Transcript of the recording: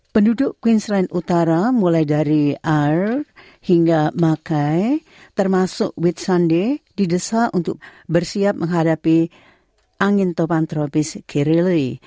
penduduk queensland utara mulai dari arles hingga mackay termasuk whitsunday didesak untuk bersiap menghadapi angin topan tropis kirillie